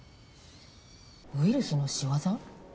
ウイルスの仕業？